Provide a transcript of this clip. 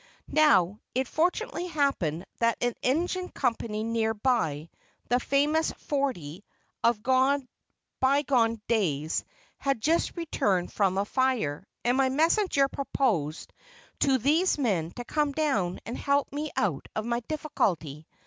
Now, it fortunately happened that an engine company near by, the famous "Forty" of by gone days, had just returned from a fire, and my messenger proposed to these men to come down and help me out of my difficulty.